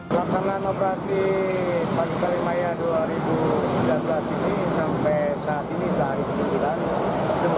laksanaan operasi pantai kalimaya dua ribu sembilan belas ini sampai saat ini tahun dua ribu sembilan belas